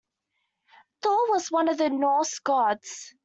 Thor was one of the Norse gods.